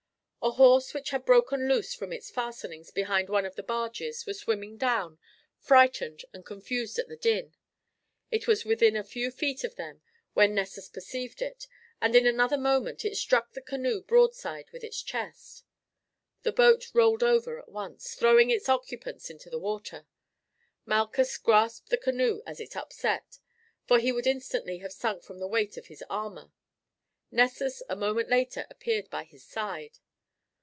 A horse which had broken loose from its fastenings behind one of the barges was swimming down, frightened and confused at the din. It was within a few feet of them when Nessus perceived it, and in another moment it struck the canoe broadside with its chest. The boat rolled over at once, throwing its occupants into the water. Malchus grasped the canoe as it upset, for he would instantly have sunk from the weight of his armour. Nessus a moment later appeared by his side.